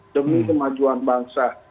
demi kemajuan bangsa